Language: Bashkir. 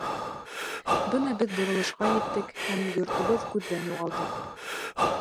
Бына беҙ боролошҡа еттек, һәм йортобоҙ күҙҙән юғалды.